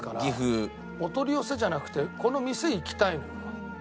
お取り寄せじゃなくてこの店行きたいの俺は。